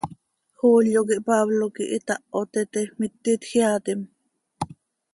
¿Julio quih Pablo quih itaho teete, miti itjeaatim?